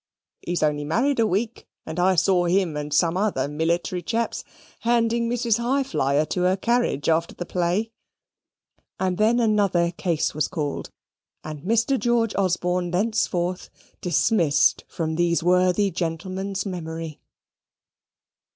"He's only married a week, and I saw him and some other military chaps handing Mrs. Highflyer to her carriage after the play." And then another case was called, and Mr. George Osborne thenceforth dismissed from these worthy gentlemen's memory.